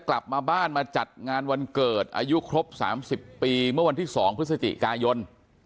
กลับมาบ้านมาจัดงานวันเกิดอายุครบ๓๐ปีเมื่อวันที่๒พฤศจิกายน